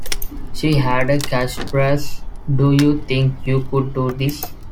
She had a catchphrase: Do you think you could do this?